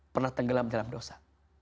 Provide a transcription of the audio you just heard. pernah tenggelam dalam dosa